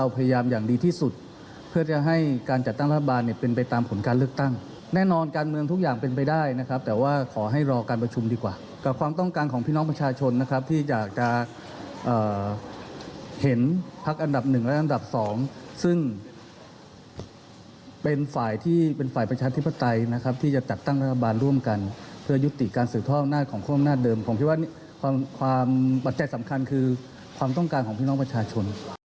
ผมคิดว่าความปัจจัยสำคัญคือความต้องการของพี่น้องประชาชน